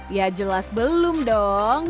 ya jelas belum dong